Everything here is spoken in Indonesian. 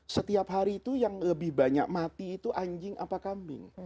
setiap hari itu yang lebih banyak mati itu anjing apa kambing